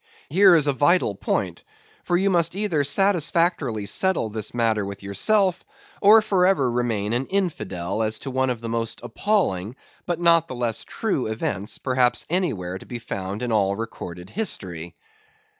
Here is a vital point; for you must either satisfactorily settle this matter with yourself, or for ever remain an infidel as to one of the most appalling, but not the less true events, perhaps anywhere to be found in all recorded history.